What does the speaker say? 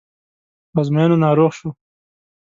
په ازموینو ناروغ شو.